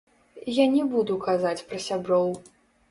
Я не буду казаць пра сяброў.